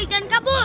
baik jangan kabur